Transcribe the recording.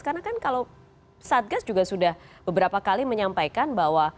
karena kan kalau satgas juga sudah beberapa kali menyampaikan bahwa